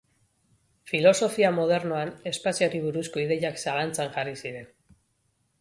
Filosofia modernoan espazioari buruzko ideiak zalantzan jarri ziren.